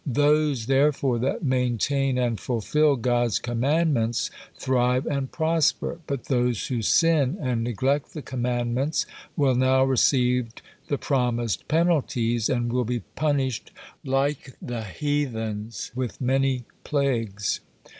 Those, therefore, that maintain and fulfil God's commandments thrive and prosper, but those who sin and neglect the commandments will now receive the promised possessions, and will be punished by the heathens with many plagues.